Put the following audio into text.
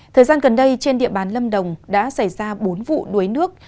thời gian gần đây trên địa bàn lâm đồng đã xảy ra bốn vụ đuối nước